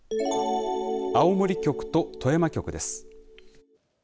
青森局と富山局です。